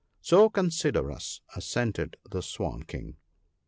' So consider us,' assented the Swan King.